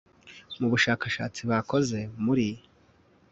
mu bushakashatsi bakoze muri